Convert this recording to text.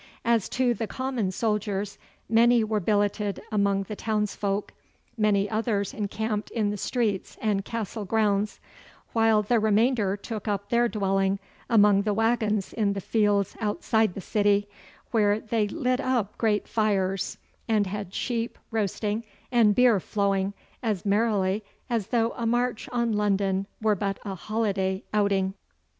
As to the common soldiers, many were billeted among the townsfolk, many others encamped in the streets and Castle grounds, while the remainder took up their dwelling among the waggons in the fields outside the city, where they lit up great fires, and had sheep roasting and beer flowing as merrily as though a march on London were but a holiday outing.